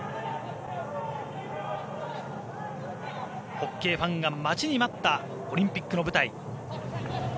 ホッケーファンが待ちに待ったオリンピックの舞台。